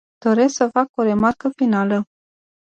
Doresc să fac o remarcă finală.